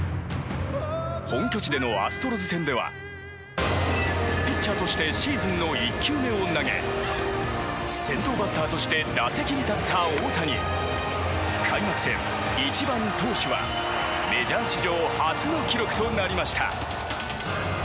本拠地でのアストロズ戦ではピッチャーとして、シーズンの１球目を投げ先頭バッターとして打席に立った大谷。開幕戦１番投手はメジャー史上初の記録となりました。